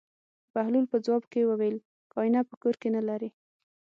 بهلول په ځواب کې وویل: که اېنه په کور کې نه لرې.